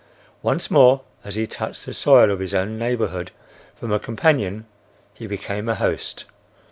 Once more, as he touched the soil of his own neighborhood, from a companion he became a host.